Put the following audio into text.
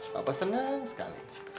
pak pak senang sekali